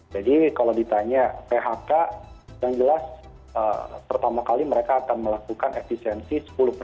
jadi kalau ditanya phk yang jelas pertama kali mereka akan melakukan efisiensi sepuluh